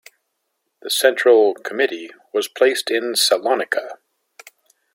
The Central committee was placed in Salonica.